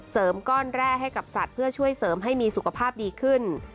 ก้อนแร่ให้กับสัตว์เพื่อช่วยเสริมให้มีสุขภาพดีขึ้น